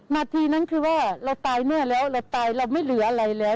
นาทีนั้นคือว่าเราตายเมื่อแล้วเราตายเราไม่เหลืออะไรแล้ว